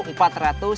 kami sebagai panitia